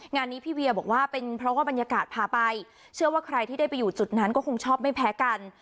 งานนี้พี่เวียบอกว่าเป็นเพราะว่าบรรยากาศพาไปเชื่อว่าใครที่ได้ไปอยู่จุดนั้นก็คงชอบไม่แพ้กัน